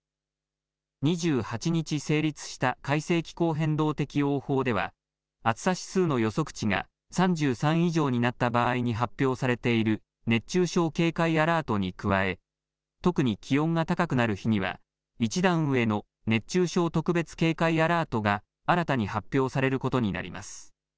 ２８日成立した改正気候変動適応法では暑さ指数の予測値が３３以上になった場合に発表されている熱中症警戒アラートに加え特に気温が高くなる日には一段上の熱中症特別警戒アラートが新たに発表されることになります。